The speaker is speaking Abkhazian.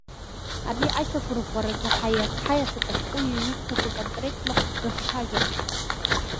Ари ашьақәырӷәӷәаразы ҳаиасып ашәҟәыҩҩы иҩымҭақәа конкретла рыхцәажәарахь.